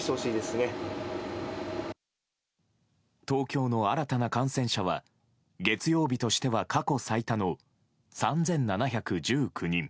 東京の新たな感染者は月曜日としては過去最多の３７１９人。